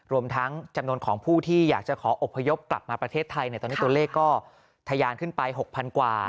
รวมทั้งจำนวนของผู้ที่อยากจะขออบพยพกลับมาประเทศไทยตอนนี้ตัวเลขก็ทะยานขึ้นไป๖๐๐๐กว่า